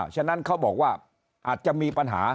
ฉะนั้นเขาบอกว่าอาจจะมีปัญหา